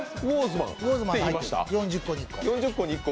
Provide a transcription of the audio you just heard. ４０個に１個。